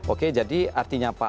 oke jadi artinya apa